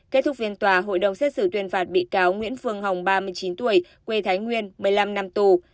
kết thúc phiên tòa hội đồng xét xử tuyên phạt bị cáo nguyễn phương hồng ba mươi chín tuổi quê thái nguyên một mươi năm năm tù